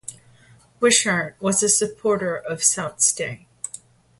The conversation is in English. Wishart was a supporter of Sault Ste.